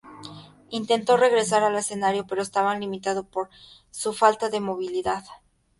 Intentó regresar al escenario, pero estaba limitada por su falta de movilidad.